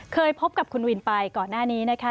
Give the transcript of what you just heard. เคยพบกับคุณวินไปก่อนหน้านี้นะคะ